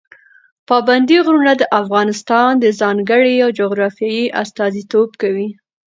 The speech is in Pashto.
پابندي غرونه د افغانستان د ځانګړې جغرافیې استازیتوب کوي.